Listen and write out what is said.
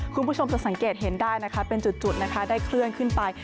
คุณผู้ชมจะสังเกตเห็นได้นะคะเป็นจุดนะคะได้เคลื่อนขึ้นไป